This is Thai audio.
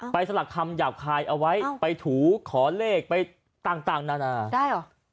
ไปสลักคำหยาบคายเอาไว้ไปถูขอเลขไปต่างนานานาน